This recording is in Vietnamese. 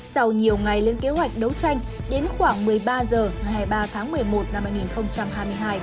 sau nhiều ngày lên kế hoạch đấu tranh đến khoảng một mươi ba h ngày hai mươi ba tháng một mươi một năm hai nghìn hai mươi hai